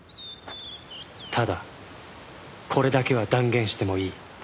ただこれだけは断言してもいい